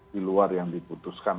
di luar yang diputuskan